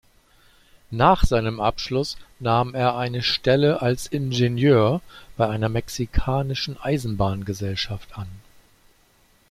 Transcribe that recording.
Nach seinem Abschluss nahm er eine Stelle als Ingenieur bei einer mexikanischen Eisenbahngesellschaft an.